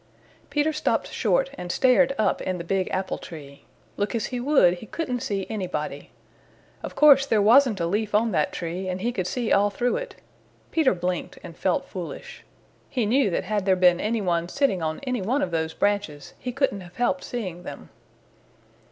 Peter stopped short and stared up in the big apple tree. Look as he would he couldn't see anybody. Of course there wasn't a leaf on that tree, and he could see all through it. Peter blinked and felt foolish. He knew that had there been any one sitting on any one of those branches he couldn't have helped seeing him.